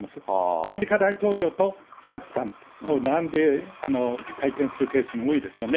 アメリカ大統領とファウチさんと並んで会見するケースも多いですよね。